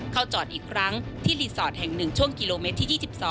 เข้าจอดอีกครั้งที่รีสอร์ทแห่ง๑ช่วงกิโลเมตรที่๒๒